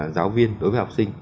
giáo viên đối với học sinh